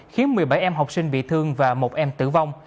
khiến một mươi bảy em học sinh bị thương và một em tử vong